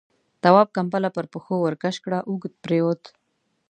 تواب ، کمپله پر پښو ورکش کړه، اوږد پرېووت.